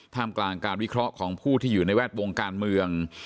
กลางการวิเคราะห์ของผู้ที่อยู่ในแวดวงการเมือง